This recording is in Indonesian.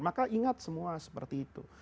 maka ingat semua seperti itu